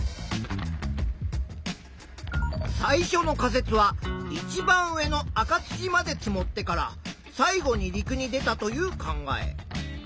最初の仮説はいちばん上の赤土まで積もってから最後に陸に出たという考え。